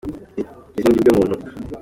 Izina ni ryo muntu.